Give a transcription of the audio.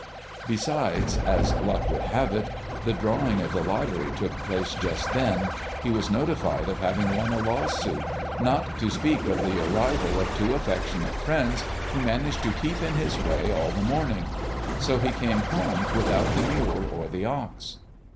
Besides, as luck would have it, the drawing of the lottery took place just then, he was notified of having won a lawsuit, not to speak of the arrival of two affectionate friends who managed to keep in his way all the morning; so he came home without the Mule or the Ox.